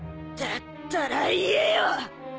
だったら言えよ！